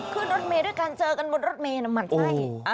ขึ้นรถเมย์ด้วยกันเจอกันบนรถเมย์หมั่นไส้